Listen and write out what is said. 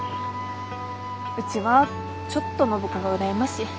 うちはちょっと暢子が羨ましい。